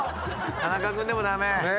田中君もダメ？